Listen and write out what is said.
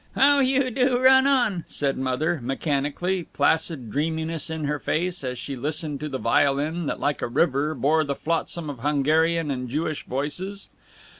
"How you do run on!" said Mother, mechanically, placid dreaminess in her face as she listened to the violin that like a river bore the flotsam of Hungarian and Jewish voices.